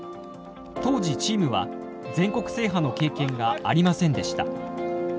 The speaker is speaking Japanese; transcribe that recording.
当時チームは全国制覇の経験がありませんでした。